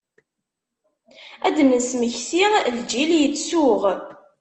Ad d-nesmekti lğil yettsuɣ.